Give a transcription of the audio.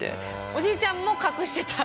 おじいちゃんも隠してた。